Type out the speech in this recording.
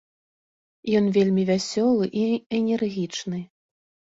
Ён вельмі вясёлы і энергічны.